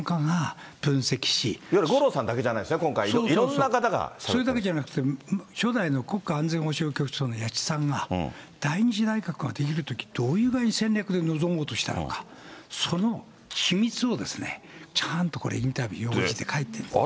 いわゆる五郎さんだけじゃなそれだけじゃなくて、初代の国家安全保障局長の谷内さんが第２次内閣が出来るとき、どういう戦略で臨もうとしたのか、その秘密を、ちゃんとこれ、インタビューを通じて書いてるんですね。